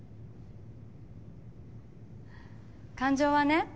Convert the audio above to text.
感情はね